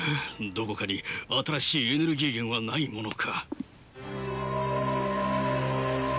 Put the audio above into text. どこかに新しいエネルギー源はないものか。